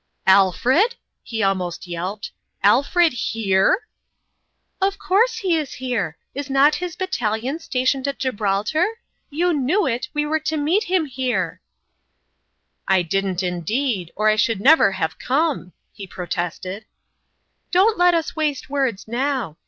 "Alfred?" he almost yelped. "Alfred here!" " Of course he is here. Is not his battalion stationed at Gibraltar ? You knew it, we were to meet him here !" 160 (Eonrmalin's ime " I didn't, indeed or I should never have come I " he protested. "Don't let us waste words now.